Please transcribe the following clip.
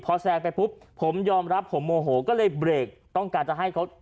พอแซงไปปุ๊บผมยอมรับผมโมโหก็เลยเบรกต้องการจะให้เขา